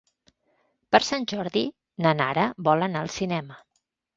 Per Sant Jordi na Nara vol anar al cinema.